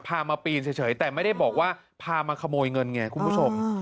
พามาปีนเฉยแต่ไม่ได้บอกว่าพามาขโมยเงินไงคุณผู้ชม